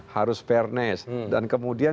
harus fairness dan kemudian